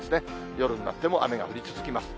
夜になっても雨が降り続きます。